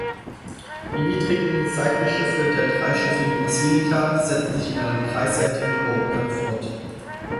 Die niedrigen Seitenschiffe der dreischiffigen Basilika setzen sich in einem dreiseitigen Chorumgang fort.